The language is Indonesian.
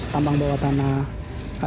tambang bawah tanah